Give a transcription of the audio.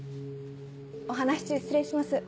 お話し中失礼します。